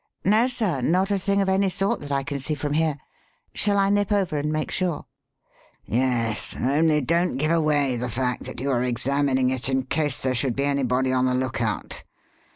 "No, sir, not a thing of any sort that I can see from here. Shall I nip over and make sure?" "Yes. Only don't give away the fact that you are examining it in case there should be anybody on the lookout.